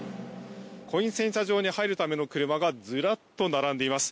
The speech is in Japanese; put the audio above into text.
コイン洗車場に入るための車がずらっと並んでいます。